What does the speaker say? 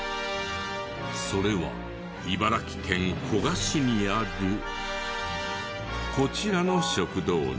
それは茨城県古河市にあるこちらの食堂に。